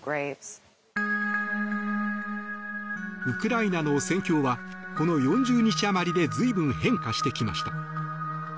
ウクライナの戦況はこの４０日あまりで随分変化してきました。